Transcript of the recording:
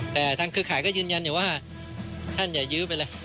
แต่ทางเครือข่ายก็ยืนยันอยู่ว่าท่านอย่ายื้อไปเลย